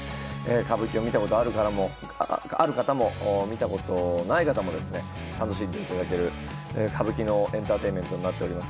歌舞伎を見たことがある方も見たことない方も楽しんでいただける歌舞伎のエンターテインメントとなっております。